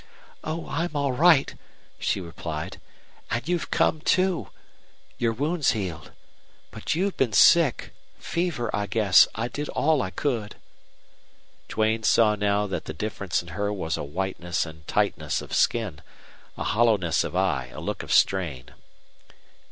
"Oh, I'm all right," she replied. "And you've come to your wound's healed; but you've been sick. Fever, I guess. I did all I could." Duane saw now that the difference in her was a whiteness and tightness of skin, a hollowness of eye, a look of strain.